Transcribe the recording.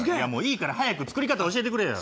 いいから早く作り方教えてくれよ。